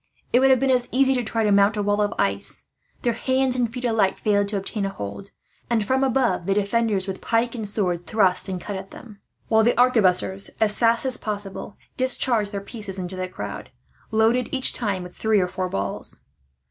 It would have been as easy to try to mount a wall of ice. Their hands and feet alike failed to obtain a hold, and from above the defenders, with pike and sword, thrust and cut at them; while the arquebusiers, as fast as possible, discharged their pieces into the crowd, loaded each time with three or four balls.